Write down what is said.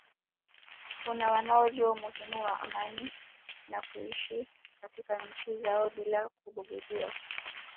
kuna wanaojua umuhimu wa amani na kuishi katika nchi zao bila kubugudhiwa